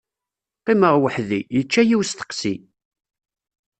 Qqimeɣ weḥd-i, yečča-yi usteqsi.